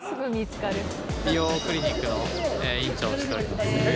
美容クリニックの院長をしております。